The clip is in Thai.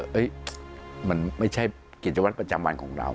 รู้สึกว่ามันไม่ใช่กิจวัตรประจำวันของเรา